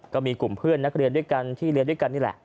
ก็มีกลุ่มเพื่อนนักเรียนด้วยกันที่เรียนด้วยกันนี่แหละ